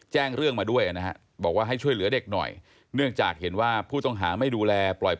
แจ้งเรื่องมาด้วยนะครับบอกว่าให้ช่วยเหลือเด็กหน่อย